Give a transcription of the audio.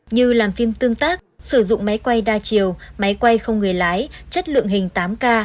như làm phim tương tác sử dụng máy quay đa chiều máy quay không người lái chất lượng hình tám k